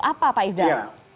apa pak ifdal